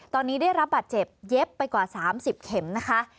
ตอนนี้ได้รับบาดเจ็บเย็บไปกว่า๓๐เข็มนะคะ